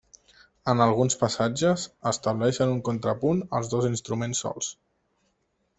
En alguns passatges, estableixen un contrapunt els dos instruments sols.